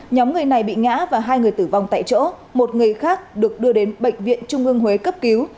nhóm người này bị ngã và hai người tử vong tại chỗ một người khác được đưa đến bệnh viện trung ương huế cấp cứu